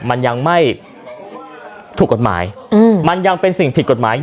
มันยังไม่ถูกกฎหมายมันยังเป็นสิ่งผิดกฎหมาย